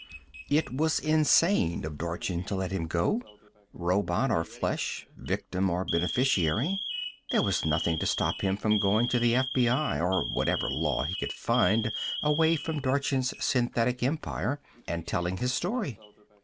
It was insane of Dorchin to let him go! Robot or flesh, victim or beneficiary, there was nothing to stop him from going to the FBI or whatever law he could find away from Dorchin's synthetic empire, and telling his story.